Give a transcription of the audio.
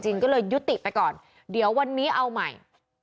ก็เลยยุติไปก่อนเดี๋ยววันนี้เอาใหม่